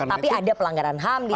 tapi ada pelanggaran ham di situ